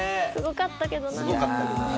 すごかったけどな。